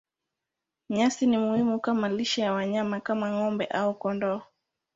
Nyasi ni muhimu kama lishe ya wanyama kama ng'ombe au kondoo.